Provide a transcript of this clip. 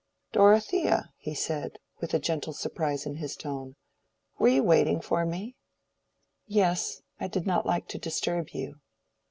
"Dorothea!" he said, with a gentle surprise in his tone. "Were you waiting for me?" "Yes, I did not like to disturb you."